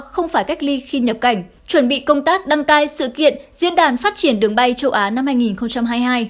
không phải cách ly khi nhập cảnh chuẩn bị công tác đăng cai sự kiện diễn đàn phát triển đường bay châu á năm hai nghìn hai mươi hai